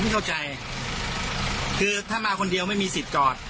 เข้าใจคือถ้ามาคนเดียวไม่มีสิทธิ์จอด